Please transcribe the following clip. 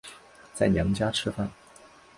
在娘家吃饭